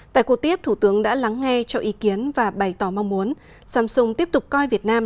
tại cuộc tiếp thủ tướng đã lắng nghe cho ý kiến và bày tỏ mong muốn samsung tiếp tục coi việt nam